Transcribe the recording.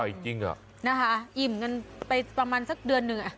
อร่อยจริงอ่ะอีมไปประมาณสักเดือนหนึ่งอ่ะ